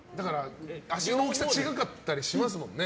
足の大きさ違かったりしますもんね。